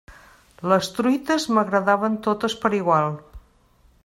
Les truites m'agradaven totes per igual.